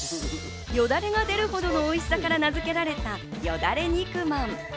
よだれが出るほどのおいしさから名付けられた、よだれ肉まん。